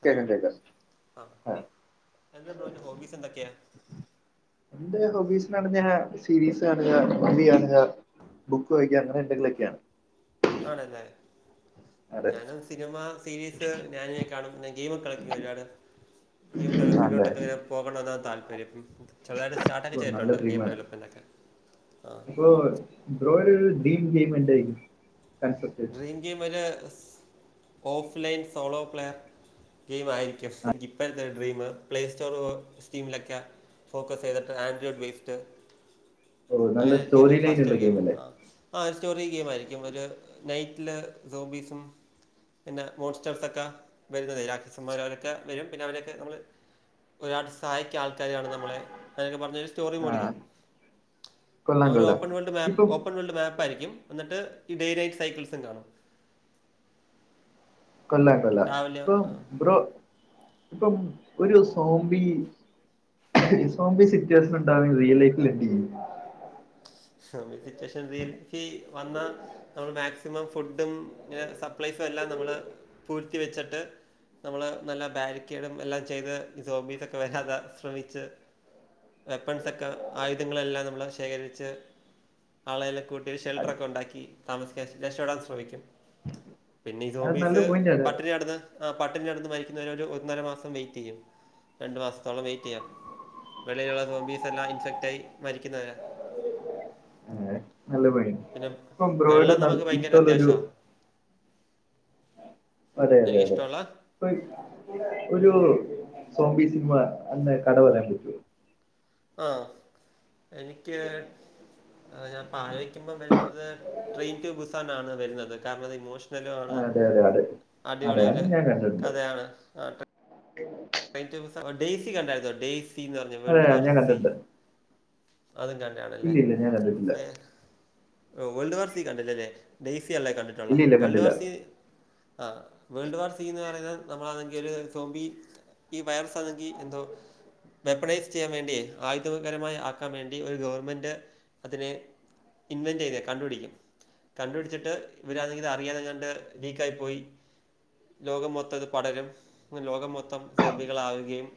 Hello കേക്കാം കേക്കാം ആഹാ ആ എന്താ ബ്രോന്റെ ഹോബീസ് എന്തൊക്കെയാ? [inaudible] ന്റെ ഹോബീസിനാണ് ഞൻ സീരീസ് കാണുക, മൂവി കാണുക ബുക്ക് വായിക്ക അങ്ങെനേ ന്തെങ്കിലൊക്കെയാ. ആണല്ലേ- അതെ ഞാനും സിനിമ സീരീസ് ഞാന് കാണും ഗെയിമൊക്ക കളിക്കും ഒരുപാട്. ഗെയിം നല്ല ഡെവലപ്പിലോട്ടൊക്കെ ഇങ്ങെ പോകണവെന്നാ താല്പര്യം. ചെുതായിട്ട് ഓ, സ്റ്റാർട്ടൊക്കെ നല്ല ചെയ്തിട്ടുണ്ട് ഗെയിം ഡെവലപ്മെന്റെ ഒക്കെ ആഹ് [unintelligible] ബ്രോയുടേരുമെയിൻ ഗേയീം എന്തേന്നു കൺസെപ്റ്റ് ങ്കിയം ഒരു സ് of line solo player. Game ആയിരിക്കും എനിക്ക് ഇപ്പഴത്തെ ഒരു ഡ്രീം പ്ലേ സ്റ്റോർ സ്കീമിലൊക്കെ ഫോക്കസ് ചെയ്തിട്ട് ആൻഡ്രോയിഡ് ബേസ്ഡ് ഓ നല്ല അങ്ങനൊയിരിക്കും സ്റ്റോറി ലൈൻ ഫാസ്റ്റ് ഉള്ള ഒരു ഗെയിം അല്ലേ ആഹ് ആ ഒരു സ്റ്റോറി ഗെയിം ആയിരിക്കും ഒരു നൈറ്റില് സോംബീസും. പിന്നെ മോൺസ്റ്റേൾസൊക്കെ വരുന്നത് രാക്ഷസൻ മാർ അവരൊക്കെ വരും പിന്നെ അവരെയൊക്കെ നമ്മള് ഒരാൾ സഹായിക്കൻ ആൾക്കാരാണ് നമ്മള് അങ്ങൊക്കെ പറഞ്ഞൊരു സ്റ്റോറി ആ മോടിക്കും. പിന്നെ കൊള്ളാം ഒരു കൊള്ളാം ഓപ്പൺ വേൾഡ് മാപ്പ് ഇപ്പം ഓപ്പൺ വേൾഡ് മാപ്പ് ആയിരിക്കും എന്നിട്ട് ഈ ഡേ നൈറ്റ് സൈക്കിൾസും ഇണ്ടാവും. കൊല്ല കൊല്ല രാവിലെ ഇപ്പൊ ആ ബ്രോ ഇപ്പം ഒരു സോംമ്പി സോമ്പി സിറ്റുവേഷൻ ഉണ്ടാവി റിയൽ ലൈഫിൽ എന്ത്യ്യും [unintelligible] വന്നാ നമ്മള് മാക്സിമം ഫുഡും സപ്ലൈസും എല്ലാം നമ്മള് പൂഴ്ത്തിവെച്ചിട്ട്. നമ്മള് നല്ല ബാരിക്കേഡും എല്ലാം ചെയ്ത് സോബീസൊക്കെ വരാതെ ശ്രമിച്ച്. വെപ്പൺസൊക്കെ ആയുധങ്ങളെല്ലാം നമ്മൾ ശേഖരിച്ച്. ആളെല്ലാ കൂട്ടി അത് ഷെൽട്ടറൊക്കെ ഉണ്ടാക്കി താമസിക്കാ രക്ഷപ്പെടാൻ ശ്രമിക്കും. പിന്നെ ഈ അത് നല്ല സോംബീസ് പോയിന്റ് ആണ് പട്ടിണി കെടന്ന് ആ പട്ടണി കെടന്ന് മരിക്കുന്നവ ഒരു ഒന്നര മാസം വെയിറ്റ് ചെയ്യും രണ്ടു മാസത്തോളം വെയിറ്റ് ചെയ്യാം. വെള്ളിയിലുള്ള സോംബീസ് എല്ലാം ഇൻസെക്ക്റ്റായി മരിക്കുന്നവരേ ആ, നല്ല പയ്യൻ പിന്നെ ഇപ്പൊ ബ്രോയിഡ് വെള്ളം ഞാൻ നമുക്ക് [unintelligible] സ്ലൊ ഭയങ്കര ഒരു അത്യാവശ്യമാണ് അതെ അതെ അതെ- എനിക്കിഷ്ടമുള്ള പ്പ് ഒരു സോംബി സിനിമ അന്ന് കട വരാൻ പറ്റോ? ആ എനിക്ക് ത് പാനിക്കുമ്പോവരുന്നത് സ്ട്രേക്ക്മുസാന്റാണ് വര്ന്നത് കരണോ ഇമോഷ് ആ, മാണ് അതെ അതെ അതെ [unintelligible] അതെ അത് അടിപൊളിയുരു ഞാൻ കണ്ടിട്ടുണ്ട് കഥയാണ് ആ [unintelligible] [unintelligible] ഡേയ്സി കണ്ടായിരുന്നോ? ഡേസി എന്ന് പറഞ്ഞ അതെ വേൾഡ് വാർ ഞാൻ സി കണ്ടിട്ടുണ്ട് അതും കണ്ടാണല്ലേ ഇല്ല ഇല്ല ഞാൻ കണ്ടിട്ടില്ല വേ ഓ വേൾഡ് വാർസി കണ്ടില്ല ല്ലേ ഡേസി അല്ലേ കണ്ടിട്ടുള്ളേ ഇല്ല ഇല്ല വേൾഡ് കണ്ടില്ല വാർസി ആ, ആഹ് വേൾഡ് വാർസി എന്ന് പറയുന്ന നമ്മളാണെങ്കിൽ ര് സോംമ്പി ഈ വൈറസ്സാണെങ്കിൽ എന്തോ വെപ്പണൈസ് ചെയ്യാൻ വേണ്ടി ആയുധകരമായി ആക്കാൻ വേണ്ടി ഒരു ഗവൺമെൻറ് അതിനെ ഇൻവെൻറ് ചെയ്യത് കണ്ടുപിടിക്കും കണ്ടുപിടിച്ചിട്ട് ഇവരാന്നേങ്കിത് അറിയാതെ കണ്ട് ലീക്കായി പോയി. ലോകം മൊത്തം ഇത് പടരും ലോകം മൊത്തം- തോമ്പികാളാവുകയും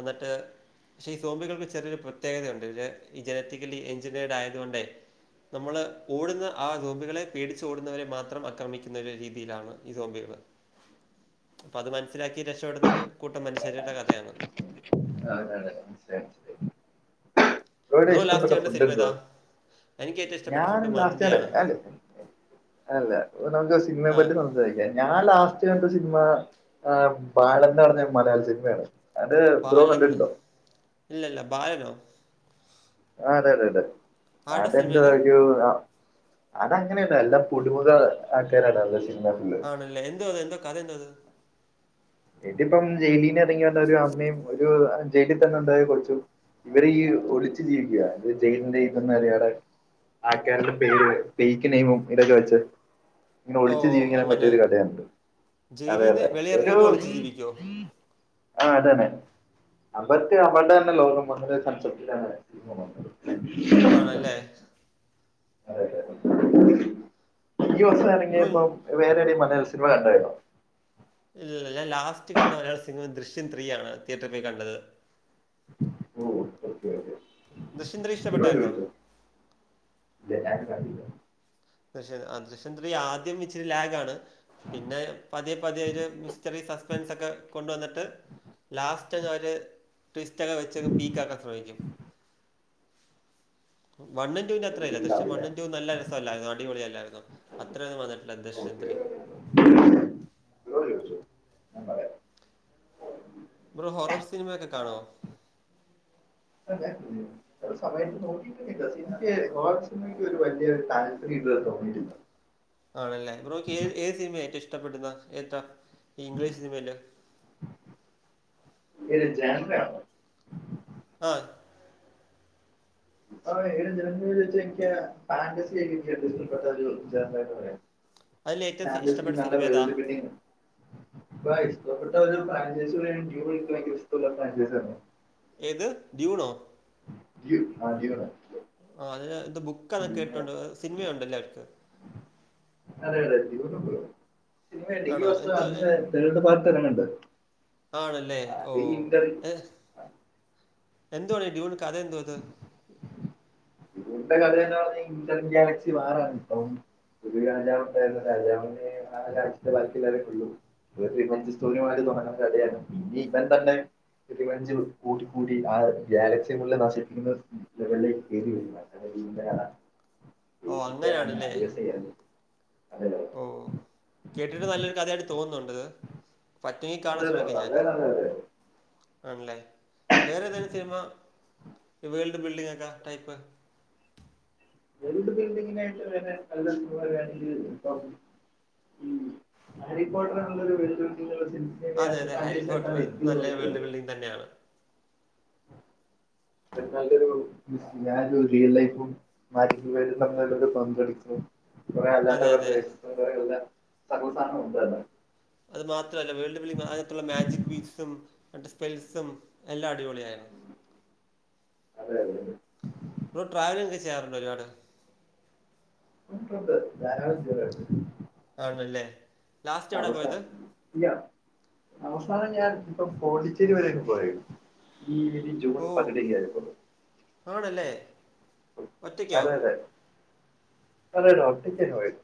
എന്നിട്ട് പക്ഷെ ഈ സോമ്പികൾക്ക് ചെറിയൊരു പ്രത്യേകതയുണ്ട് ജെ ഈ ജെനറ്റിക്കലി എഞ്ചിനേഡായത്കൊണ്ടേ നമ്മള് ഓടുന്ന ആ സോമ്പികളെ പേടിച്ച് ഓടുന്നവരെ മാത്രം ആക്രമിക്കുന്ന ഒരു രീതിയിലാണ് ഈ സോമ്പികള് അപ്പം അത് മനസ്സിലാക്കി രക്ഷപ്പെടുന്ന ഒരു കൂട്ടം മനുഷ്യരുടെ കഥയാണ് [unintelligible] ബ്രോ ലാസ്റ്റ് ബ്രോയീടേയിഷ്ട്ടപെട്ട കണ്ട സിനിമ ഫുഡെന്തുവ. ഏതാ എനിക്ക് ഏറ്റവും ഇഷ്ടപ്പെട്ട ഞാൻ ഫുഡ് ലാസ്റ്റിണ് മന്തിയാണ് [unintelligible] അല്ല നമുക്ക് സിനിമയെ ആ പറ്റി സംസാരിക്കാൻ ഞാൻ ലാസ്റ്റ് കട്ട സിനിമ ആ ബാലൻന്ന് പറഞ്ഞ മലയാള സിനിമയാണ്. അത് ബ്രോ ബാലന്ന് കണ്ടിട്ടുണ്ടോ ഇല്ല ഇല്ല ബാലനോ? ആഹ് അതെ അതെ അതെ ആരുടെ സിനിമ അതെന്ത അത് ഒരു ആ അതങ്ങനെയല്ല എല്ലാം പുടു മുഖ ആൾക്കാരാണ് [unintelligible] ആണല്ലേ എന്തുവാ അത് എന്തുവാ കഥ എന്തുവാ അത് ഇതിപ്പം ജയിലീന്നെറങ്ങി വന്ന ഒരു അമ്മയും ഒരു ജയിലിത്തന്നെ ഉണ്ടായ കൊച്ചും ഇവരീ ഒളിച്ച് ജീവിക്കാ ഇത് ജയിലിന്റെ ഇതൊന്നും അറിയാതെ ആൾക്കാരുടെ പേര് ഫേയ്ക്ക് നെയ്മും ഇതൊക്കെ വെച്ച് ഇങ്ങനെ ഓ ഒളിച്ച് ജീവിക്കണെ പറ്റിയൊരു അങ്ങനെ കഥയാണിത് ജയിലിൽ നിന്ന് അതെയതെ ഒരു [unintelligible] ജീവിക്കോ ആഹ് അതെ അതെ അതൊക്കെ [unintelligible] ഇണ്ടല്ലോ [unintelligible] ആണല്ലേ അതെയതെ ബ്രോ [unintelligible] വേറെ ഏതേലും സിനിമ കണ്ടായിരുന്നോ ഇല്ലില്ല ഞാൻ ലാസ്റ്റ് കണ്ട മലയാള സിനിമ ദൃശ്യം ത്രീയാണ് തിയേറ്ററി പോയി കണ്ടത്. ഓ ഓക്കെ ഓക്കെ അത് ദൃശ്യം ത്രീ [unintelligible] ഇഷ്ടപ്പെട്ടായിരുന്നോ ചോയിച്ചോ [unintelligible] പക്ഷെ അത് ദൃശ്യം ത്രീ ആദ്യം ഇച്ചിരി ലാഗാണ് പിന്നെ പതിയെ പതിയെ ഒരു മിസ്റ്ററി സസ്പൻസക്ക കൊണ്ടുവന്നിട്ട് ലാസ്റ്റ് [unintelligible] ഒര് ട്വിസ്റ്റൊക്കെ വെച്ചങ് പീക്ക് ആക്കാൻ ശ്രമിക്കും വണ്ണും ട്ടൂ ന്റ അത്രേയില്ല ദൃശ്യം കണ്ടില്ല വണ്ണും ടൂവും നല്ല രസല്ലായിരുന്നോ അടിപൊളിയല്ലായിരുന്നോ അത്രൊന്നും വന്നിട്ടില്ല ദൃശ്യം ഓക്കെ ത്രീ [unintelligible] പറയാം ബ്രോ ഹൊറർ സിനിമോക്കെ കാണുവോ [inaudible] ചില സമയത്ത് തോന്നിയിട്ടൊന്നില്ല സിനിമക്ക് ഹൊറർ സിനിമയ്ക്ക് ഒരു വലിയരു താല്പര്യം ഇതുവരെ തോന്നിയിട്ടില്ല ആണല്ലേ ബ്രോക്ക് ഏത് ഏത് സിനിമയ ഏറ്റവും ഇഷ്ടപ്പെടുന്ന ഏതാ ഈ ഇംഗ്ലീഷ് സിനിമയില് ഏത് ജാൻവ ആണോ ആഹ് [unintelligible] ഫാന്റസി അതിൽ ഏറ്റവും സി ഇഷ്ടപ്പെട്ട നല്ല സിനിമ ഏതാ? വേൾഡ് [unintelligible] [unintelligible] ഇപ്പ ഇഷ്ടപ്പെട്ട ഒരു ഫ്രഞ്ചേസി [unintelligible] ഏത് ഡ്യൂണോ ഡ്യൂ ആ ഡ്യൂ ആ അതിനാ ഇത് ബുക്കാന്നൊക്കെ കേട്ടോണ്ട് സിനിമയുണ്ടല്ലേ അവർക്ക് അതെ അതെ ഡ്യുണോ ആണോ? സിനിമ എന്തോ എ [unintelligible] തേർഡ് പാർട്ട് എറങ്ങെണ്ട് ആണല്ലേ ഓ ഏഹ് എന്തുവാടെ ഡ്യൂൺ കഥയെന്തുവാത് ഡ്യൂൺണ്ടേ കഥ എന്നുപറഞ്ഞാ ഇന്റൻ ഗ്യാലക്സി വാർആന്ട് ടോം ഒരു രാജാവുണ്ടായിരുന്നു രാജാവിന് ആ രാജ്യത്തെ [unintelligible] [unintelligible] തുടങ്ങണ കഥയാണ് ഈബൻ തന്നെ റിവഞ്ച് കൂടി കൂടി ആ ഗാലക്സി ഫുള്ള് നശിപ്പിക്കുന്ന ലെവലിലേക്ക് കേറിവരുന്നത് [unintelligible] കഥ ഓ ബേസിക്കലി അതാണ് അങ്ങനെയാണല്ലേ അധിക ചെയ്യുന്നത് അതല്ലേ ഓ കേട്ടിട്ട് നല്ലൊരു കഥയായിട്ട് തോന്നുന്നുണ്ട്ത് പറ്റുങ്കി കാണാൻ അതെ അതെ ശ്രമിക്കാം ഞാനിത് വളരെ നല്ലത് ആണല്ലേ വേറെ ഏതാണ് സിനിമ വേൾഡ് ബിൽഡിങ്ങക്ക ടൈപ്പ് [unintelligible] ഇപ്പം ഉം ഹാരിപോട്ടർന്നുള്ളത് [unintelligible] അതെ അതെ ഹാരി ഫോർട്ടർ നല്ലൊരു വേൾഡ് ബിൽഡിംഗ് തന്നെയാണ്. നല്ലൊരു [unintelligible] റിയൽ ലൈഫും [unintelligible] പങ്കെടുക്കുന്നു കുറെേ അതെ, അല്ലാത്ത അതെ. ദേശത്ത കുറെല്ല സകൽ സാധനം ഉണ്ട് അല്ല [unintelligible] അത് മാത്രല്ല വേൾഡ് വിളി അതിനകത്തുള്ള മാജിക് ബീറ്റ്സും സ്പെൽസും എല്ലാം അടിപൊളിയായിര്ന്ന്. അതെയതെയതേ ബ്രോ ട്രാവലിങ് ഒക്കെ ചെയ്യാറുണ്ടോ ഒരുപാട് ഉണ്ട് ഉണ്ട് ധാരാളം [unintelligible] ആണ്ല്ലേ അവസ്ഥ ഇല്ല അവസാനം ഞാൻ ഇപ്പൊ പോണ്ടിച്ചേരി വരെയൊക്കെ പോയത് ഈ ജൂൺ ഓ! പകുതിയൊക്കെ ആയപ്പോൾ ആണല്ലേ. ഒറ്റയ്ക്കോ? അതേയതേ അതെ ഡോക്ടക്കന്നെ പോയത്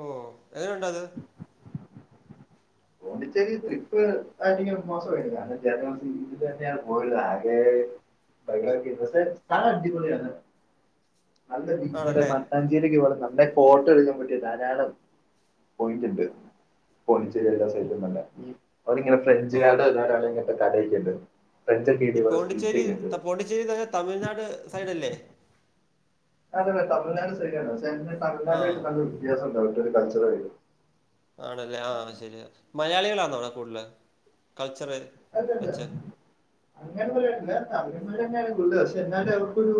ഓ എങ്ങനെ ഉണ്ട് അത് പോണ്ടിച്ചേരി ട്രിപ്പ് [unintelligible] മോശമായിരുന്നു കാരണം [unintelligible] [unintelligible] [unintelligible] തന്നെയാണ് പോയത് ആകെ [inaudible] പക്ഷെ സ്ഥലം അടിപൊളിയാണ് ആണല്ലേ. നല്ല അഞ്ചേയിലേക്ക് വട നമ്മടെ ഫോട്ടോ എടുക്കാൻ പറ്റിയ ധാരാളം പോയിന്റ് ഉണ്ട് [unintelligible] [unintelligible] അവരിങ്ങനെ ഓ! ഫ്രഞ്ചുകാരുടെ [inaudible] ഇങ്ങനത്തെ കടയൊക്കെ ഉണ്ടത് ഈ പോണ്ടിച്ചേരി പോണ്ടിച്ചേരി എന്ന് പറഞ്ഞാൽ തമിഴ്നാട് സൈഡ് അല്ലേ അതെന്നേ തമിഴ്നാട് സൈഡ് ആണ് ആ. തമിഴ്നാട് ആയിട്ട് നല്ല വ്യത്യാസം ഉണ്ട് അവിടുത്തെ കൾച്ചറും ആയിട്ട് ആണല്ലേ ആഹ് ശരിയാ മലയാളികളാന്നോ അവിടെ കൂടുതൽ കൾച്ചറ് [inaudible] വെച്ച്. അങ്ങനെയൊന്നുമില്ല തമിഴൻമാര് തന്നെയാണ് കൂടുതല് പക്ഷെ എന്നാലും അവർക്കൊരു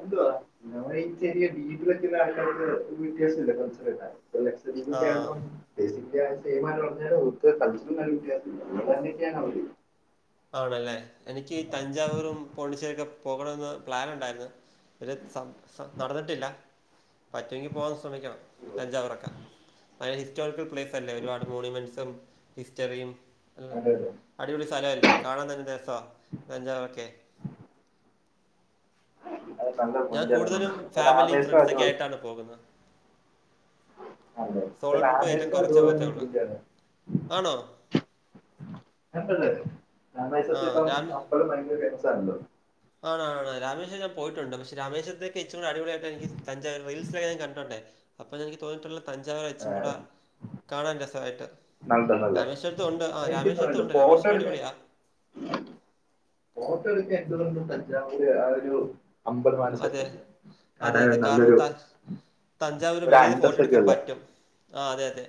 എന്തുവാ ഞൻ ഈ ചെറിയ ഡീറ്റിൽ ആ. [unintelligible] [unintelligible] [unintelligible] ആണല്ലേ എനിക്ക് തഞ്ചാവൂരും പോണ്ടിച്ചേരിയൊക്കെ പോകണമെന്ന് പ്ലാൻ ഉണ്ടായിരുന്ന് ഇതുവരെ സ സ നടന്നിട്ടില്ല പറ്റുമെങ്കി പോവാൻ ശ്രമിക്കണം തഞ്ചാവൂരൊക്കെ അത് ഹിസ്റ്റോറിക്കൽ പ്ലേസ് അല്ലേ ഒരുപാട് മോണിമെന്റ്സും ഹിസ്റ്ററിയും അതെ അതെ അടിപൊളി സ്ഥലമല്ലേ കാണാൻ തന്നെ രസമാ തഞ്ചാവൂരൊക്കെ അത് നല്ല ഞാൻ പോയിന്റാണ് കൂടുതലും ഇപ്പൊ ഫാമിലിയും രാമേശ്വരം ഫ്രണ്ട്സൊക്കെ അതുപോലെ ആയിട്ടാണ് പോകുന്നത് അതെ ഇപ്പൊ സോളോ ട്രിപ്പ് ഏറ്റവും രാമേശ്വരം കുറച്ചേ അതുപോലെ പോവത്തേ തന്നെ ഒള്ളു പോയിന്റാണ് ആണോ [unintelligible] ആ. ഇപ്പം അമ്പളം ഭയങ്കര ഫേമസ് ആണല്ലോ ആണ് ആണ് ആണ് രാമേശ്വരം ഞാൻ പോയിട്ടുണ്ട് പക്ഷെ രമേശ്വരത്തെക്കാ ഇച്ചിരൂടെ അടിപൊളായിട്ട് എനിക്ക് തഞ്ചാവൂര് റീൽസിലൊക്കെ ഞാൻ കണ്ടിട്ടുണ്ടേ അപ്പം എനിക്ക് തോന്നിയിട്ടുള്ളത് തഞ്ചാവൂരാ ഇച്ചിരി കൂടെ കാണാൻ രസമായിട്ട് നല്ലതല്ലേ രാമേശ്വരത്തും ഉണ്ട് ആഹ് എനിക്ക് തോന്നുന്നുണ്ട് രാമേശ്വരത്തുണ്ട് ഫോട്ടോ രാമേശ്വരം എടുക്കാൻ അടിപൊളിയാ ഫോട്ടോ എടുക്കാൻ എന്തുകൊണ്ടും തഞ്ചാവൂര് ആഹ് ഒരു അമ്പത്തി നാല് അതെ. സെക്കൻഡ് അതെ അതെ കാരണം ത തഞ്ചാവൂര് ഒരു വെളീന്ന് ഫോട്ടോ അന്തസ്സൊക്കെ എടുക്കാൻ ഉള്ള പറ്റും ആഹ് അതെ അതെ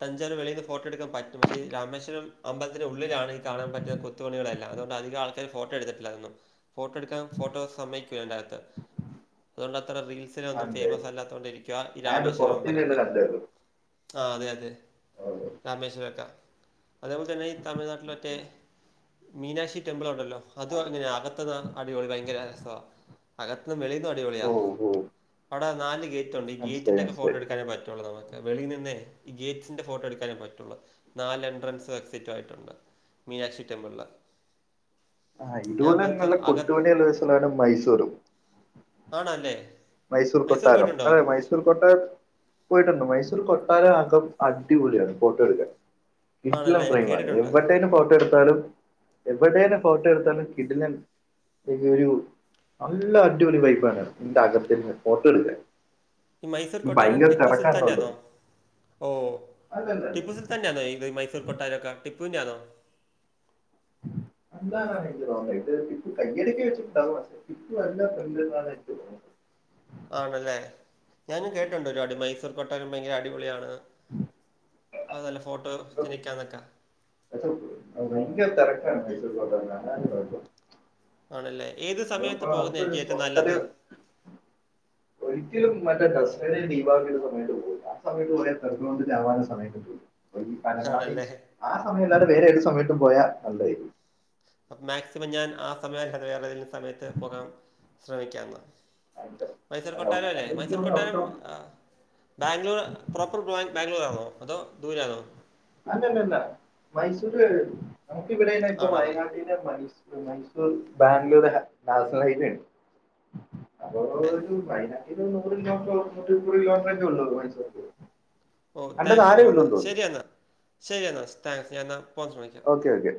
തഞ്ചാവൂര് വെളീന്ന് ഫോട്ടോ എടുക്കാൻ പറ്റും പക്ഷേ രാമേശ്വരം അമ്പലത്തിന്റെ ഉള്ളിലാണ് ഈ കാണാൻ പറ്റാത്തെ കൊത്തു പണികളെല്ലാം അതുകൊണ്ട് അധികം ആൾക്കാര് ഫോട്ടോ എടുത്തിട്ടില്ല അതൊന്നും ഫോട്ടോ എടുക്കാൻ ഫോട്ടോ സമ്മ [unintelligible] അതുകൊണ്ട് അത്ര റീൽസ് ത്തിനൊന്നും അതെ ഫേമസ് അല്ലാത്തൊണ്ടേയ്ര്ക്കും ആ ഈ ഞാൻ രാമേശ്വരം പുറത്തുനിന്ന് അമ്പലൊക്കെ കണ്ടായിരുന്നു ആഹ് അതെ അതെ രാമേശ്വരത്ത അതേപോലെ തന്നെ ഈ തമിഴ്നാട്ടിൽ മറ്റേ മീനാക്ഷി ടെമ്പിൾ ഉണ്ടല്ലോ അതും അങ്ങനെയാ അകത്തൂന്ന് അടിപൊളി ഭയങ്കര രസമാ അകത്തുന്ന് വെളീന്നും അടിപൊളിയാ ഓ ഓ അവിടെ നാല് ഗേറ്റ് ഉണ്ട് ഈ മനസ്സിലായി ഗേറ്റിൻ്റെ ഒക്കെ ഫോട്ടോ മനസ്സിലായി എടുക്കാനേ പറ്റുള്ളൂ നമുക്ക് വെളിയിൽനിന്നേ ഈ ഗേറ്റ്സിന്റെ ഫോട്ടോയെടുക്കാനേ പറ്റുളളു. നാല് എൻട്രൻസ് എക്സിറ്റായിട്ടുണ്ട്. മീനാക്ഷി ടെമ്പിളില് ആഹ് ഇതുപോലെ തന്നെ നല്ല അകത്ത് കൊത്തുപണിയുള്ള ഒരു സ്ഥലമാണ് മൈസൂര് ആണല്ലേ മൈസൂർ കൊട്ടാരം അതേ മൈസ് മൈസൂർ കൊട്ടാരം പോയിട്ടുണ്ട് മൈസൂർ കൊട്ടാരം അകം അടിപൊളിയാണ് ഫോട്ടോ എടുക്കാൻ കിടിലം ആണല്ലേ ഞാൻ ഫ്രെയിം ആണ് കേട്ടിട്ടുണ്ട് എവിടേലും ഫോട്ടോ എടുത്താലും എവിടേലും ഫോട്ടോ എടുത്താലും കിടിലം ഇയ്യോ ഒരു നല്ല അടിപൊളി വൈബാണ് അതിന്റെ അകത്ത് നിന്ന് ഫോട്ടോ എടുക്കാൻ ഈ മൈസൂർ ഇത് കൊട്ടാരം ഭയങ്കര ടിപ്പു സുൽത്താന്റെ തിരക്കാണല്ലോ ആണോ ഓ അല്ലല്ലല്ല ടിപ്പു സുൽ തന്നെയാണോ ഈ മൈസൂർ കൊട്ടാരക്കെ ടിപ്പൂന്റെയാണോ [unintelligible] ഇപ്പം നല്ല [unintelligible] ആണല്ലേ, ഞാനും കേട്ടിട്ടുണ്ടൊരുപാട് മൈസൂർകൊട്ടാരംഭയങ്കര അടിപൊളിയാണ്. ഉം ആ.. നല്ലഫോട്ടോജനിക്കാണെന്നൊക്കെ അതു ഭയങ്കര തിരക്കാണു മൈസൂർ കൊട്ടാരം വന്നാലതാണു കുഴപ്പം ആണല്ലേ ഏതു സമയത്തു നമുക്കൊരു പോകുന്നതായിരിക്കു ഏറ്റവും നല്ലത്. സ്വസ്ഥതയോ ഒരിക്കലും മറ്റേദസറാ, ദീപാവലീ, സമയത്ത് പോയിക്കൂടാ, ആ സമയത്ത് പോയാൽ തെരക്കുകൊണ്ടുചാവാനേ സമയം കിട്ടൂ ഈ കാലങ്ങളാണേ ആണല്ലേ ആ സമയം അല്ലാതെ വേറെയേതു സമയത്തു പോയാൽ നല്ലതായിരിക്കും. മാക്സിമം ഞാൻ ആ സമയമല്ലാതെ വേറെ യേതെങ്കിലും സമയത്തു പോകാൻ ശ്രമിക്കാം എന്നാ അതിന്റെ മൈസൂർ കൊട്ടാരമല്ലേ അതെനിക്ക് മൈസൂർ തോന്നുന്നു കൊട്ടാരം, ഒട്ടും ആ.. ബാംഗ്ലൂർ പ്രോപ്പർപോയിന്റ് ബാംഗ്ലൂർ ആണോ അതോ ദൂരെയാണോ. അല്ലലല്ല, മൈസൂര് കഴിയും ആണല്ലേ നമുക്കിവിടെയിപ്പംവയനാട്ടിൽ മൈസൂർ, മൈസൂർ ബാംഗ്ലൂർ നാഷണൽഹൈവേയുണ്ട്. ഏ, അപ്പോയൊരു വയനാട്ടിൽ ഒരുനുറ് കിലോമീറ്ററ്, ഒരു നൂറ്റിമുപ്പതു കിലോമീറ്ററൊക്കയേയുള്ളൂ മൈസൂർക്ക് ഓ കണ്ടത് താങ്ക്സ് ആരേ ഉള്ളൂ ബ്രോയെന്നാ എന്ന് തോന്നുന്നു ശരിയെന്നാ ശരിയെന്നാ താങ്ക്സ് ഞാ പോകാൻ ശ്രമിക്കാം. ഓക്കെയോക്കെ